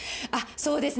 そうですね。